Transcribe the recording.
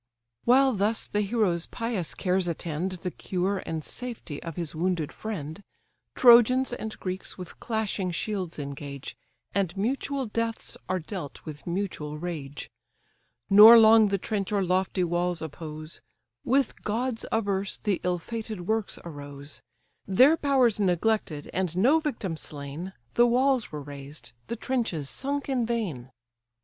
While thus the hero's pious cares attend The cure and safety of his wounded friend, Trojans and Greeks with clashing shields engage, And mutual deaths are dealt with mutual rage. Nor long the trench or lofty walls oppose; With gods averse the ill fated works arose; Their powers neglected, and no victim slain, The walls were raised, the trenches sunk in vain.